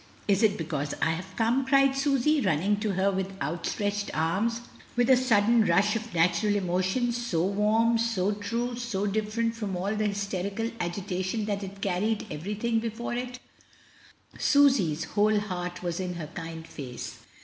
Is it be cause I have come?" cried Susy, running to her with outstretched arms, with a sudden rush of natural emotion, so warm, so true, so different from all the hysterical agitation that it carried everything before it; Sus)r's whole heart was in her kind face.